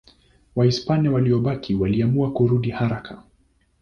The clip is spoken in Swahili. Wahispania waliobaki waliamua kurudi haraka.